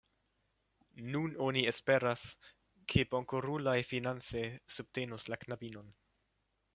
Nun oni esperas, ke bonkoruloj finance subtenos la knabinon.